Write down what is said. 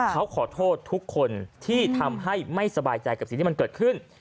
เขาขอโทษทุกคนที่ทำให้ไม่สบายใจกับสิ่งที่มันเกิดขึ้น